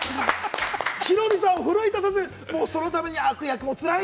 ヒロミさんを奮い立たせる、そのために悪役を。